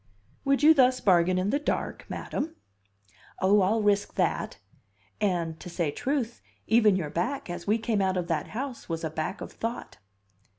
"Would you thus bargain in the dark, madam?" "Oh, I'll risk that; and, to say truth, even your back, as we came out of that house, was a back of thought."